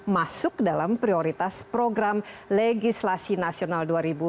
masuk dalam prioritas program legislasi nasional dua ribu dua puluh